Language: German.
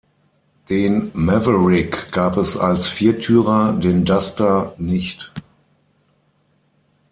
Den Maverick gab es als Viertürer, den Duster nicht.